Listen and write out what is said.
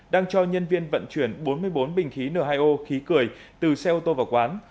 đang cho nhân viên vận chuyển bốn mươi bốn bình khí n hai o khí cười từ xe ô tô vào quán